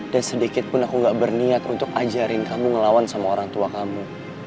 dan sedikit pun aku ga berniat untuk ajarin kamu ngelawan sama orang tua kamu